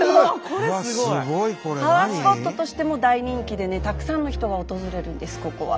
これすごい！パワースポットとしても大人気でねたくさんの人が訪れるんですここは。